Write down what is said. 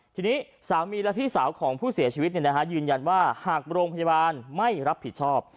ทีนี้สามีและพี่สาวของผู้เสียชีวิตยืนยันว่าหากโรงพยาบาลไม่รับผิดชอบ